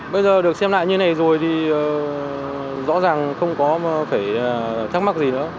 bây giờ được xem lại như này rồi thì rõ ràng không có phải thắc mắc gì nữa